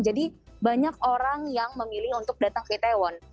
jadi banyak orang yang memilih untuk datang ke itaewon